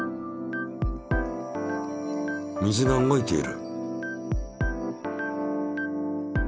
水が動いている。